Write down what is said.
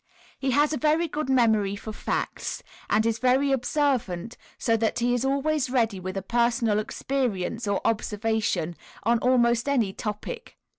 He has a very good memory for facts, and is very observant, so that he is always ready with a personal experience or observation on almost any topic.